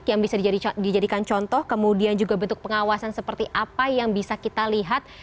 yang bisa dijadikan contoh kemudian juga bentuk pengawasan seperti apa yang bisa kita lihat